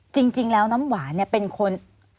จริงแล้วน้ำหวานเนี่ยเป็นคน